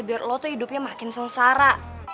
biar lo tuh hidupnya makin sengsara